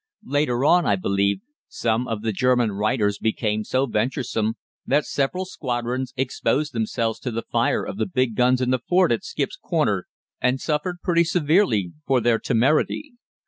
"Later on, I believe, some of the German reiters became so venturesome that several squadrons exposed themselves to the fire of the big guns in the fort at Skip's Corner, and suffered pretty severely for their temerity.